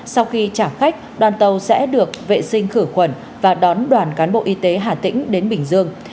sau khi trả khách đoàn tàu sẽ được vệ sinh khử khuẩn và đón đoàn cán bộ y tế hà tĩnh đến bình dương